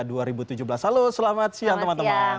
halo selamat siang teman teman